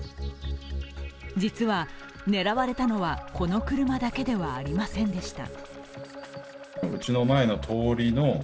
実は狙われたのは、この車だけではありませんでした。